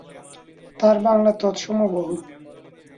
তার বাংলা তৎসম-বহুল।